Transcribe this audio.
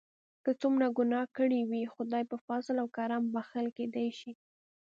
که څومره ګناه کړي وي خدای په فضل او کرم بښل کیدای شي.